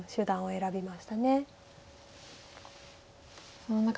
選びました。